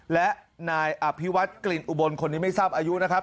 และนายอภิวัตกลิ่นอุบลคนนี้ไม่ทราบอายุนะครับ